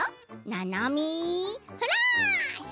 「ななみフラッシュ！」